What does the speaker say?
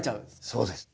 そうです。